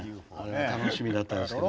楽しみだったですけど。